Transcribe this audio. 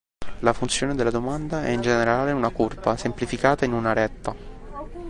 La funzione della domanda è in generale una curva, semplificata in una retta.